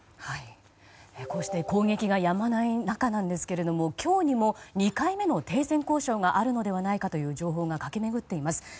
こうして攻撃がやまない中なんですが今日にも２回目の停戦交渉があるのではないかという情報が駆け巡っています。